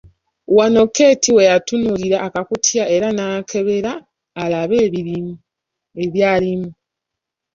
Wano Keeti we yatunuulira akakutiya era n'akebera alabe ebyalimu.